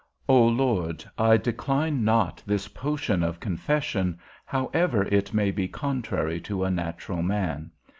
O Lord, I decline not this potion of confession, however it may be contrary to a natural man.